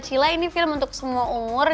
cila ini film untuk semua umur